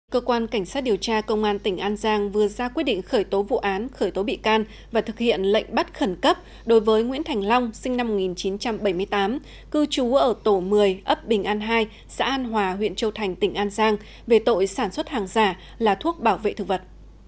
cơ quan cảnh sát điều tra công an tỉnh an giang vừa ra quyết định khởi tố vụ án khởi tố bị can và thực hiện lệnh bắt khẩn cấp đối với nguyễn thành long sinh năm một nghìn chín trăm bảy mươi tám cư trú ở tổ một mươi ấp bình an hai xã an hòa huyện châu thành tỉnh an giang về tội sản xuất hàng giả là thuốc bảo vệ thực vật